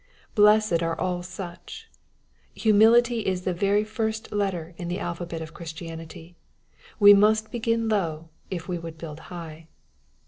Blessed are all such ! Humility is the very first letter in the alphabet of Christianity. We must begin low, if we would build high.